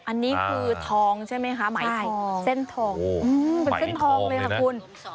อันนี้คือทองใช่ไหมคะหมายเส้นทองเป็นเส้นทองเลยค่ะคุณ